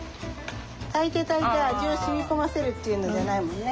炊いて炊いて味を染み込ませるっていうのじゃないもんね。